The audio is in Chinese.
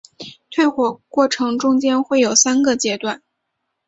退火过程中间会有三个阶段。